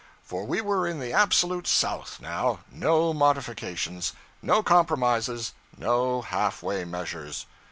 For we were in the absolute South now no modifications, no compromises, no half way measures.